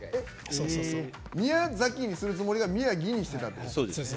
宮崎にするつもりが宮城にしてたってこと？